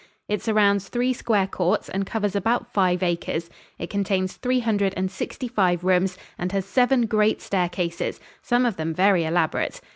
It surrounds three square courts and covers about five acres; it contains three hundred and sixty five rooms and has seven great staircases, some of them very elaborate.